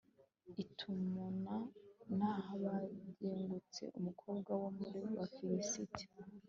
i timuna, nahabengutse umukobwa wo mu bafilisiti